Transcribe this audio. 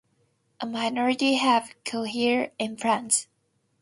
A minority have cochlear implants.